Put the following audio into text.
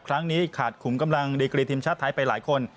ครั้งนี้ขาดขุมกำลังดีกรีทีมชาติไทยไปหลายคน